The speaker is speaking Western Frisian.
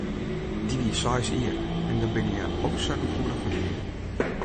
Dy wie seis jier en dan binne je o sa gefoelich foar dy dingen.